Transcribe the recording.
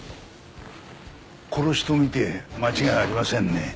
殺しと見て間違いありませんね。